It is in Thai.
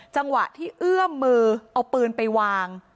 จังหวะที่เอื้อมมือเอาปืนไปวาง